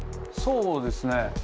そうですね。